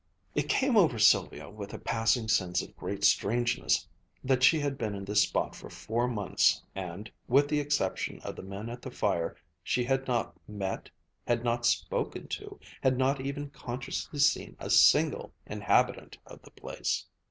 It came over Sylvia with a passing sense of great strangeness that she had been in this spot for four months and, with the exception of the men at the fire, she had not met, had not spoken to, had not even consciously seen a single inhabitant of the place.